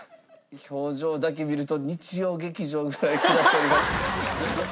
表情だけ見ると日曜劇場ぐらい食らっております。